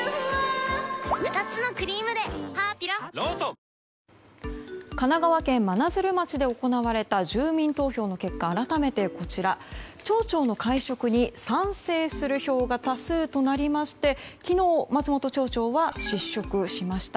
睡眠サポート「グリナ」神奈川県真鶴町で行われた住民投票の結果改めてこちら、町長の解職に賛成する票が多数となりまして昨日、松本町長は失職しました。